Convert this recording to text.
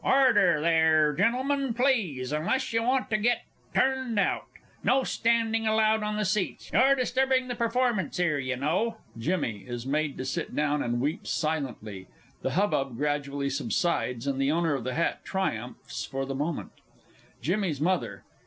Order, there, Gentlemen, please unless you want to get turned out! No standing allowed on the seats you're disturbing the performance 'ere, you know! [JIMMY is made to sit down, and weeps silently; the hubbub gradually subsides and THE OWNER OF THE HAT triumphs for the moment. JIMMY'S MOTHER.